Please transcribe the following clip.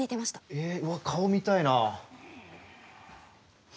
えうわっ顔見たいな。